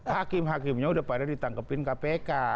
hakim hakimnya sudah pada ditangkapin kpk